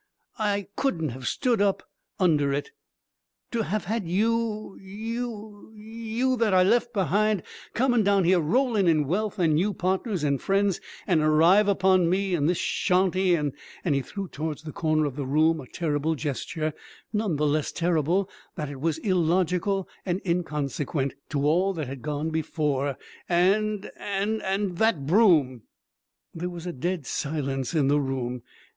I couldn't hev stood up under it! To hev had you, you, you that I left behind, comin' down here rollin' in wealth and new partners and friends, and arrive upon me and this shonty and" he threw towards the corner of the room a terrible gesture, none the less terrible that it was illogical and inconsequent, to all that had gone before "and and that broom!" There was a dead silence in the room.